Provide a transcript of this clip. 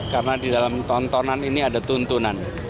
karena di dalam tontonan ini ada tuntunan